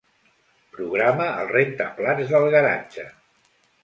Programa el rentaplats del garatge.